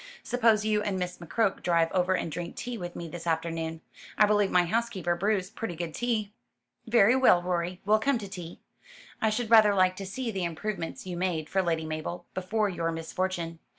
Suppose you and Miss McCroke drive over and drink tea with me this afternoon? I believe my housekeeper brews pretty good tea." "Very well, Rorie, we'll come to tea. I should rather like to see the improvements you made for Lady Mabel, before your misfortune.